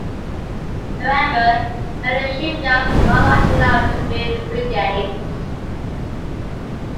However, many shipyards were not large enough to build frigates.